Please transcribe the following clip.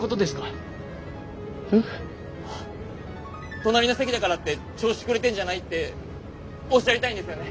隣の席だからって調子くれてんじゃない？っておっしゃりたいんですよね？